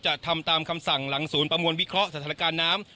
ทำตามคำสั่งหลังศูนย์ประมวลวิเคราะห์สถานการณ์น้ำ